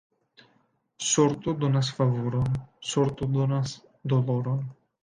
Sorto donas favoron, sorto donas doloron.